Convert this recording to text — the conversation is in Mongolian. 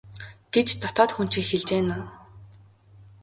гэж дотоод хүн чинь хэлж байна уу?